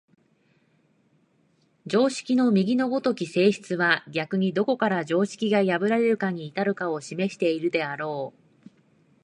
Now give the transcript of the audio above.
常識の右の如き性質は逆にどこから常識が破られるに至るかを示しているであろう。